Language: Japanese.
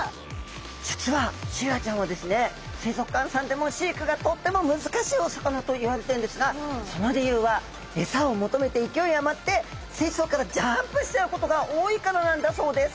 実はシイラちゃんはですね水族館さんでも飼育がとっても難しいお魚といわれてるんですがその理由は餌を求めて勢い余って水槽からジャンプしちゃうことが多いからなんだそうです！